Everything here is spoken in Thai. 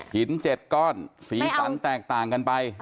๗ก้อนสีสันแตกต่างกันไป